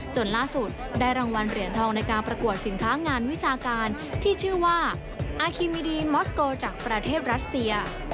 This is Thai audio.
จนล่าสุดได้รางวัลเหรียญทองในการประกวดสินค้างานวิชาการที่ชื่อว่าอาคิมิดีนมอสโกจากประเทศรัสเซีย